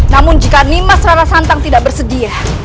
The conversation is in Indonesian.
namun jika nimas rara santang tidak bersedia